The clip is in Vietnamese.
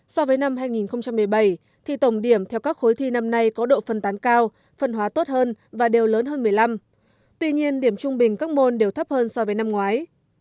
so với năm hai nghìn một mươi bảy thì tổng điểm theo các khối thi năm nay có độ phân tán cao phân hóa tốt hơn và đều lớn hơn một mươi năm tuy nhiên điểm trung bình các môn đều thấp hơn so với năm ngoái